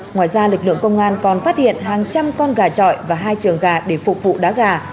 ngoài ra lực lượng công an còn phát hiện hàng trăm con gà trọi và hai trường gà để phục vụ đá gà